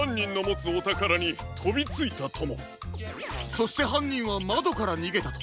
そしてはんにんはまどからにげたと。